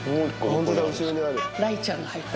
雷ちゃんが入って。